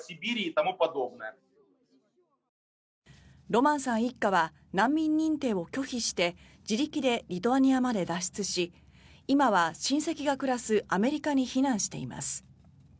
ロマンさん一家は難民認定を拒否して自力でリトアニアまで脱出し今は親戚が暮らすアメリカに避難しています。